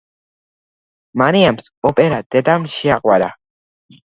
მარიამს ოპერა, დედამ შეაყვარა.